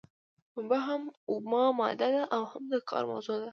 پنبه هم اومه ماده ده او هم د کار موضوع ده.